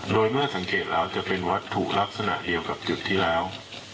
โดยเมื่อสังเกตแล้วจะเป็นวัตถุลักษณะเดียวกับจุดที่แล้ว